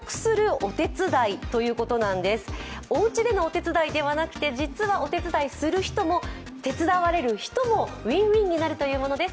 おうちでのお手伝いではなくて、実はお手伝いする人も手伝われる人もＷｉｎ−Ｗｉｎになるというものです。